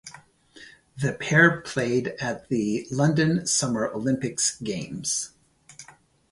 The pair played at the London Summer Olympics Games.